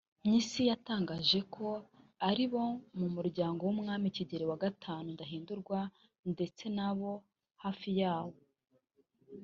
Mpyisi yatangaje ko ari abo mu muryango w’Umwami Kigeli V Ndahindurwa ndetse n’abo hafi yawo